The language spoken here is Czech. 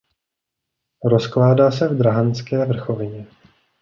Rozkládá se v Drahanské vrchovině.